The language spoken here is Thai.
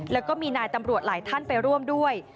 แล้วก็มีนายตำรวจหลายท่านไปร่วมด้วย